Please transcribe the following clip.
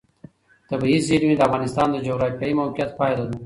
طبیعي زیرمې د افغانستان د جغرافیایي موقیعت پایله ده.